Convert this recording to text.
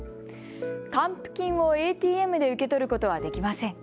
還付金をＡＴＭで受け取ることはできません。